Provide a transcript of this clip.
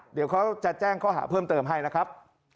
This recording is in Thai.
เดี๋ยวเขาจะแจ้งข้อหาเพิ่มเติมให้นะครับ